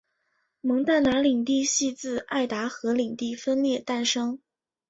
蒙大拿领地系自爱达荷领地分裂诞生。